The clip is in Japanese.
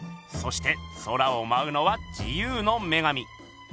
そして空をまうのは自由の女神。